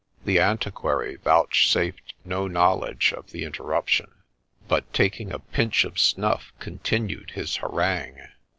The antiquary vouchsafed no notice of the interruption ; but, taking a pinch of snuff, continued his harangue.